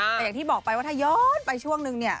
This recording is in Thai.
แต่อย่างที่บอกไปว่าถ้าย้อนไปช่วงนึงเนี่ย